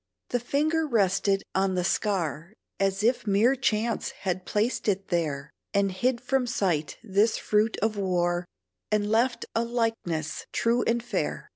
The finger rested on the scar, As if mere chance had placed it there; And hid from sight this fruit of war, And left a likeness true and fair.